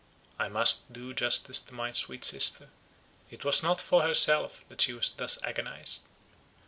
I must do justice to my sweet sister: it was not for herself that she was thus agonized.